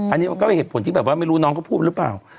อันนี้มันก็เป็นเหตุผลที่แบบว่าไม่รู้น้องเขาพูดหรือเปล่า